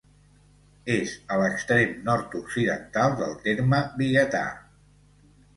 És a l'extrem nord-occidental del terme biguetà.